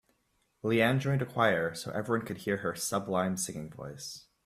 Leanne joined a choir so everyone could hear her sublime singing voice.